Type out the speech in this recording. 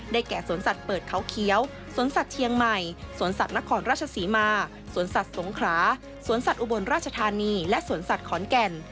แก่สวนสัตว์เปิดเขาเขียวสวนสัตว์เชียงใหม่สวนสัตว์นครราชศรีมาสวนสัตว์สงขราสวนสัตว์อุบลราชธานีและสวนสัตว์ขอนแก่น